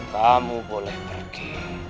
kamu boleh pergi